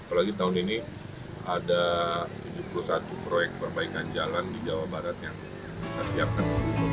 apalagi tahun ini ada tujuh puluh satu proyek perbaikan jalan di jawa barat yang kita siapkan